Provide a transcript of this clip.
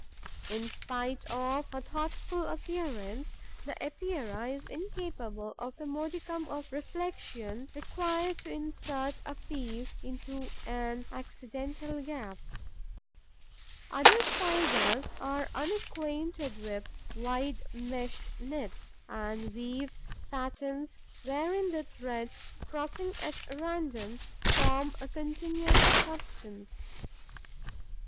In spite of her thoughtful appearance, the Epeira is incapable of the modicum of reflexion required to insert a piece into an accidental gap. Other Spiders are unacquainted with wide meshed nets and weave satins wherein the threads, crossing at random, form a continuous substance.